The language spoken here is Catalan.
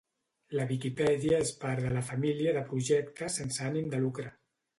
La Viquipèdia és part de la família de projectes sense ànim de lucre.